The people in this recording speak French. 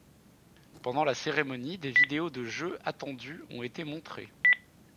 Pendant la cérémonie, des vidéos de jeux attendus ont été montrées.